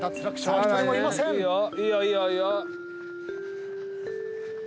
いいよいいよいいよ。